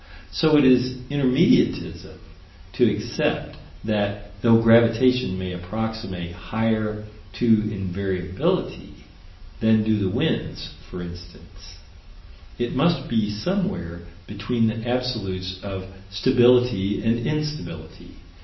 So it is intermediatism to accept that, though gravitation may approximate higher to invariability than do the winds, for instance, it must be somewhere between the Absolutes of Stability and Instability.